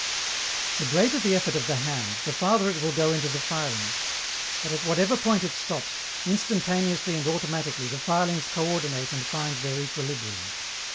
The greater the effort of the hand, the farther it will go into the filings. But at whatever point it stops, instantaneously and automatically the filings coördinate and find their equilibrium.